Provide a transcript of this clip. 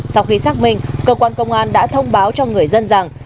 sau khi xác minh cơ quan công an đã thông báo cho người dân rằng